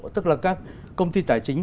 tức là các công ty tài chính